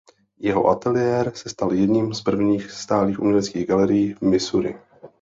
Jeho ateliér se stal jedním z prvních stálých uměleckých galerií v Missouri.